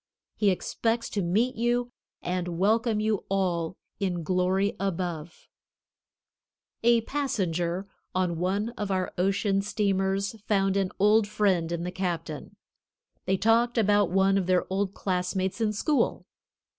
He expects to meet you and welcome you all in glory above. A passenger on one of our ocean steamers found an old friend in the captain. They talked about one of their old classmates in school.